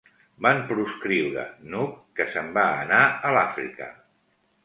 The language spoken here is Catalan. Van proscriure n'Hug, que se'n va anar a l'Àfrica.